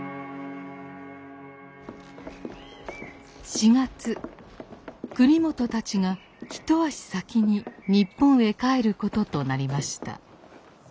四月栗本たちが一足先に日本へ帰ることとなりました。